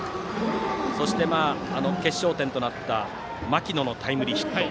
そして、決勝点となった牧野のタイムリーヒット。